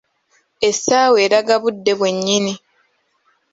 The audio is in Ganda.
Essaawa eraga budde bwe nnyini.